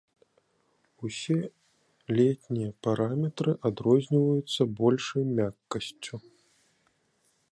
Усе летнія параметры адрозніваюцца большай мяккасцю.